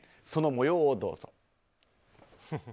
その模様をどうぞ。